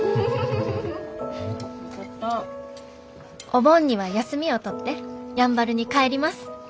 「お盆には休みを取ってやんばるに帰ります」。